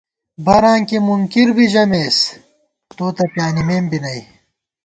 براں کی مُنکِر بی ژِمېس، تو تہ پیانِمېم بی نئ